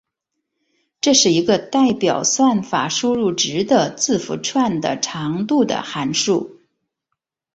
这是一个代表算法输入值的字符串的长度的函数。